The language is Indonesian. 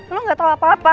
lo gak tau apa apa